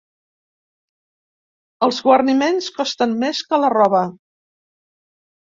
Els guarniments costen més que la roba.